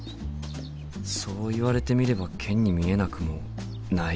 そう言われてみればケンに見えなくもないよな。